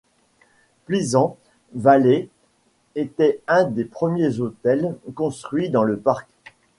Pleasant Valley était un des premiers hôtels construits dans le parc.